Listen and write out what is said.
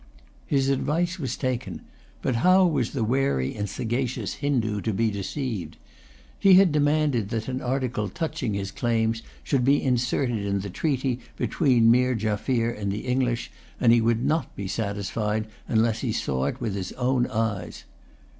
His advice was taken. But how was the wary and sagacious Hindoo to be deceived? He had demanded that an article touching his claims should be inserted in the treaty between Meer Jaffier and the English, and he would not be satisfied unless he saw it with his own eyes.